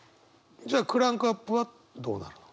じゃあクランクアップはどうなの？